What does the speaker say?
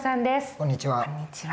こんにちは。